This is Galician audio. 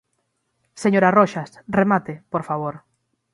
Señora Roxas, remate, por favor.